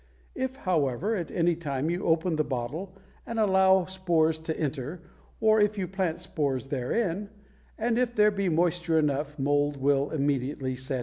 If, however, at any time you open the bottle and allow spores to enter, or if you plant spores therein, and if there be moisture enough, mold will immediately set in.